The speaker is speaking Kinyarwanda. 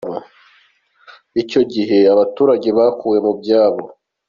Ngo icyo gihe abaturage bakuwe mu byabo.